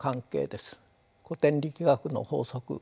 古典力学の法則